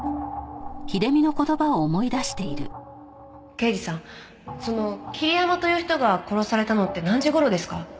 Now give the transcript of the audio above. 刑事さんその桐山という人が殺されたのって何時頃ですか？